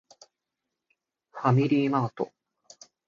ファミリーマート